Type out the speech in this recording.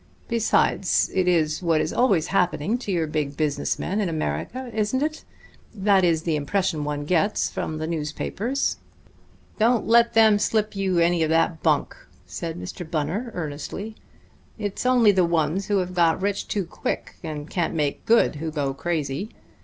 Besides, it is what is always happening to your big business men in America, isn't it? That is the impression one gets from the newspapers." "Don't let them slip you any of that bunk," said Mr. Bunner earnestly. "It's only the ones who have got rich too quick, and can't make good, who go crazy.